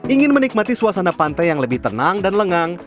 ingin menikmati suasana pantai yang lebih tenang dan lengang